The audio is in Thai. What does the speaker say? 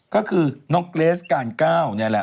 ก็คือน้องเกรษกาลก้าวเนี่ยแหละ